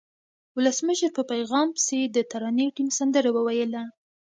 ولسمشر په پیغام پسې د ترانې ټیم سندره وویله.